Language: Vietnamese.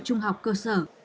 trung học cơ sở